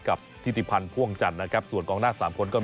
กับธิติพันธ์พ่วงจันทร์